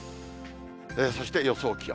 そして予想気温。